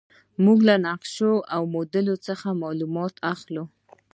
موږ له نقشې او موډل څخه معلومات اخلو.